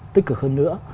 tích cực hơn nữa